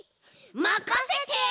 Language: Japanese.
まかせて！